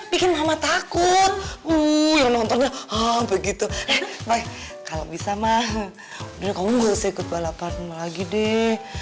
bikin mama takut uh yang nontonnya begitu kalau bisa mah udah kamu harus ikut balapan lagi deh